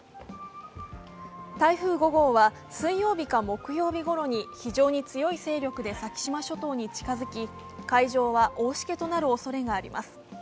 台風５号は水曜日か木曜日ごろに非常に強い勢力で先島諸島に近付き、海上は大しけとなるおそれがあります。